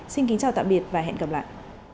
xin kính chào tạm biệt và hẹn gặp lại